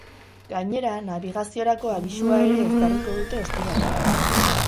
Gainera, nabigaziorako abisua ere ezarriko dute ostiralean.